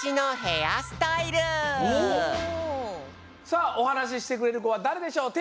さあおはなししてくれるこはだれでしょう？